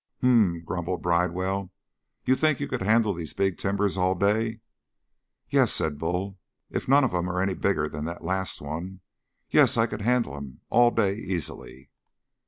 "H'm," grumbled Bridewell. "You think you could handle these big timbers all day?" "Yes," said Bull, "if none of 'em are any bigger than that last one. Yes, I could handle 'em all day easily."